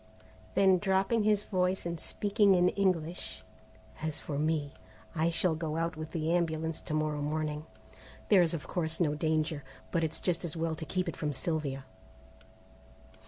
Then dropping his voice and speaking in English, "As for me, I shall go out with the ambulance to morrow morning. There is of course no danger, but it's just as well to keep it from Sylvia."